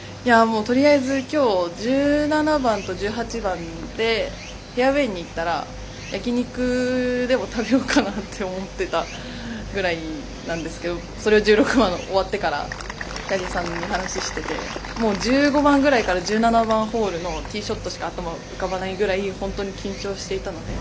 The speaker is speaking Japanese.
とりあえずきょう１７番と１８番でフェアウエーにいったら焼き肉でも食べようかなって思ってたぐらいなんですけどそれを１６番終わってからキャディーさんに話をしていて１６番から１７番ホールのティーショットしか頭、浮かばないぐらい本当に緊張していたので。